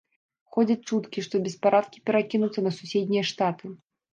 Ходзяць чуткі, што беспарадкі перакінуцца на суседнія штаты.